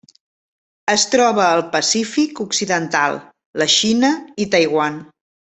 Es troba al Pacífic occidental: la Xina i Taiwan.